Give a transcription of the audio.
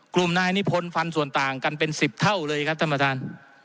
กลุ่มนายนิพนธ์ฟันส่วนต่างกันเป็น๑๐เท่าเลยครับท่านประธาน